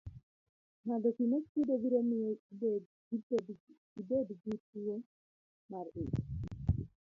Madho pi mochido biro miyo ibed gi tuwo mar ich